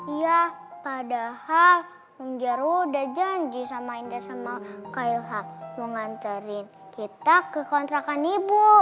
iya padahal om jarwo udah janji sama indra sama khail ha mengantarin kita ke kontrakan ibu